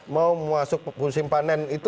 mau masuk musim panen itu